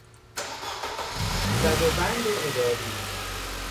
زد و بند اداری